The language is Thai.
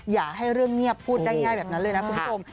อย่าให้เรื่องเงียบพูดได้ง่ายแบบนั้นเลยนะคุณผู้ชม